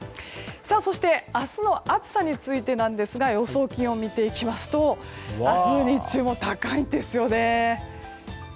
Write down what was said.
そして明日の暑さについてですが予想気温を見ていきますと明日の日中も高いんです。